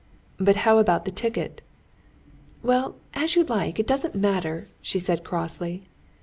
"But how about the ticket?" "Well, as you like, it doesn't matter," she said crossly.